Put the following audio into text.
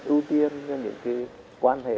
ưu tiên cho những cái quan hệ